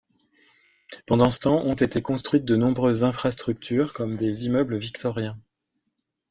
Pendant ce temps ont été construites de nombreuses infrastructures comme des immeubles victoriens.